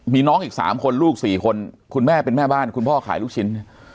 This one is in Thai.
มีน้องอีก๓คนลูก๔คนคุณแม่เป็นแม่บ้านคุณพ่อขายลูกชิ้น